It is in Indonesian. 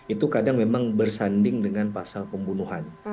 itu kadang memang bersanding dengan pasal pembunuhan